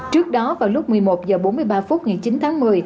trước đó vào lúc một mươi một h bốn mươi ba phút ngày chín tháng một mươi